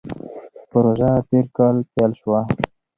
پروژه تېر کال پیل شوه.